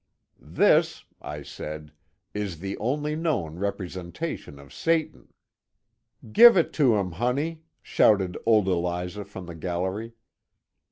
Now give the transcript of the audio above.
" This," I said, " is the only known representation of Sa tan." *^ GKve it to him, honey !" shouted old Eliza from the gal lery.